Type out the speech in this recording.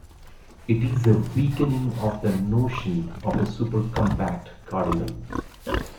It is a weakening of the notion of a supercompact cardinal.